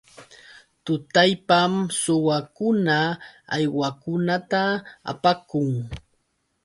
Tutallpam suwakuna uywakunata apakun.